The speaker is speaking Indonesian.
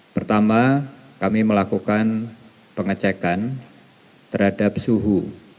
pertama kami melakukan pengecekan terhadap suhu